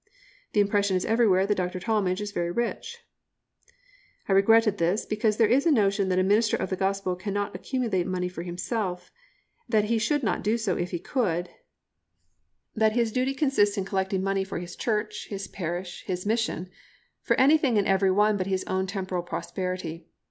"The impression is everywhere that Dr. Talmage is very rich." I regretted this because there is a notion that a minister of the Gospel cannot accumulate money for himself, that he should not do so if he could, that his duty consists in collecting money for his church, his parish, his mission for anything and everyone but his own temporal prosperity.